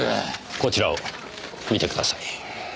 こちらを見てください。